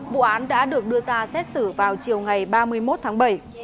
vụ án đã được đưa ra xét xử vào chiều ngày ba mươi một tháng bảy